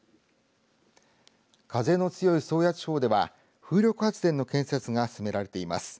風の強い宗谷地方では風力発電の建設が進められています。